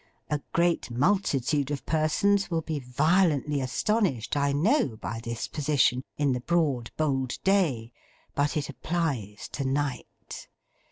A great multitude of persons will be violently astonished, I know, by this position, in the broad bold Day. But it applies to Night.